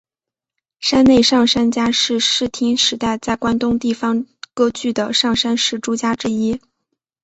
山内上杉家是室町时代在关东地方割据的上杉氏诸家之一。